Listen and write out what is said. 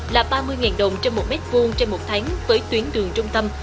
là ba mươi đồng trong một m hai trong một tháng với tuyến đường trung tâm